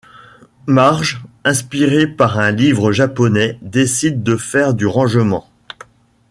Marge, inspirée par un livre japonais, décide de faire du rangement.